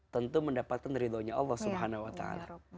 tentu mendapatkan ridhonya allah subhanahu wa ta'ala